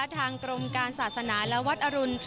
ทางกรมการศาสนาและวัดอรุณ